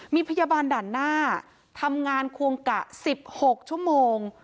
มีพยาบาลด่านหน้าทำงานควงกะ๑๖ชั่วโมง